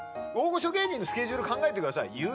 大御所芸人のスケジュール考えてください。